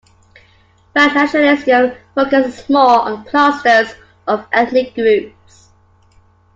Pan-nationalism focuses more on "clusters" of ethnic groups.